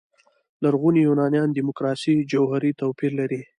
لرغوني یونان دیموکراسي جوهري توپير لري.